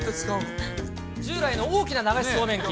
従来の大きな流しそうめん機。